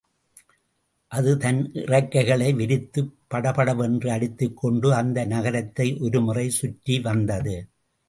அது தன் இறக்கைகளை விரித்துப் படபடவென்று அடித்துக் கொண்டு அந்த நகரத்தை ஒருமுறை சுற்றிவந்தது.